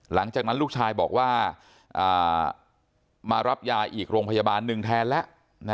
หลังจากนั้นลูกชายบอกว่ามารับยาอีกโรงพยาบาลหนึ่งแทนแล้ว